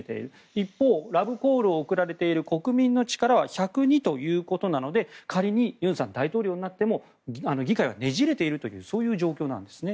一方、ラブコールを送られている国民の力は１０２ということなので仮にユンさんが大統領になっても議会はねじれているという状況なんですね。